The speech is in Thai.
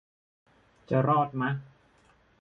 จะรอดมะ